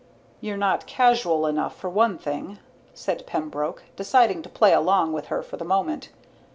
"You're not casual enough, for one thing," said Pembroke, deciding to play along with her for the moment.